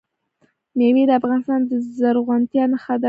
مېوې د افغانستان د زرغونتیا نښه ده.